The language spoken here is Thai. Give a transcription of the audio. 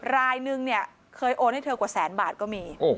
รายนึงเนี่ยเคยโอนให้เธอกว่าแสนบาทก็มี